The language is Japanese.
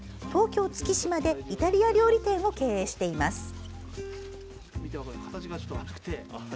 東京・月島でイタリア料理店を経営しています。